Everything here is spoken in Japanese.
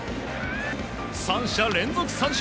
３者連続三振。